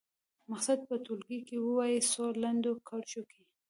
مقصد په ټولګي کې ووايي څو لنډو کرښو کې.